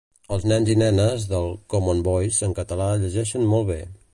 Els nens i nenes del common voice en català llegeixen molt bè